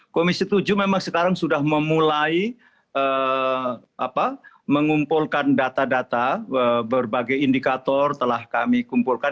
komisi tujuh memang sekarang sudah memulai mengumpulkan data data berbagai indikator telah kami kumpulkan